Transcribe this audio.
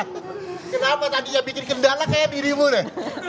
kenapa tadinya bikin kendala kayak dirimu deh